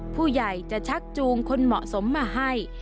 ผู้ใหญ่จะชักจูงคนเหมาะสมมาให้